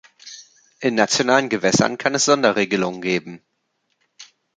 In nationalen Gewässern kann es Sonderregelungen geben.